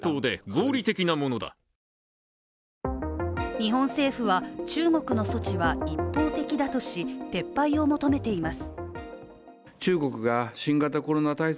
日本政府は中国の措置は一方的だとし撤廃を求めています。